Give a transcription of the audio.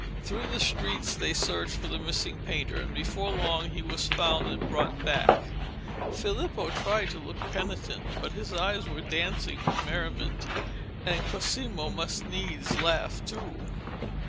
Through the streets they searched for the missing painter, and before long he was found and brought back. Filippo tried to look penitent, but his eyes were dancing with merriment, and Cosimo must needs laugh too.